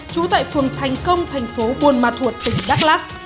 chú tại phường thành công thành phố buôn ma thuột tỉnh đắk lắk